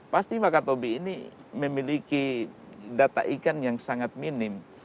pasti wakatobi ini memiliki data ikan yang sangat minim